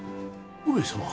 上様。